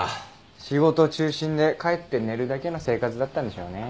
仕事中心で帰って寝るだけの生活だったんでしょうね。